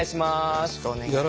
よろしくお願いします。